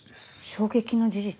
衝撃の事実。